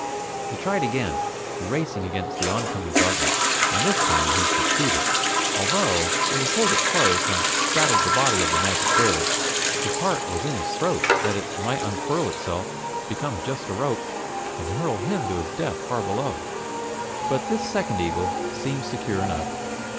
He tried again, racing against the oncoming darkness, and this time he succeeded, although, when he pulled it close and straddled the body of the magic bird, his heart was in his throat that it might unfurl itself, become just a rope, and hurl him to his death far below. But this second eagle seemed secure enough.